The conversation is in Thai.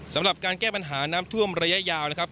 สำหรับการแก้ปัญหาน้ำท่วมระยะยาวนะครับ